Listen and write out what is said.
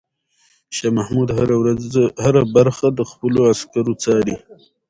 شاه محمود هره برخه د خپلو عسکرو څاري.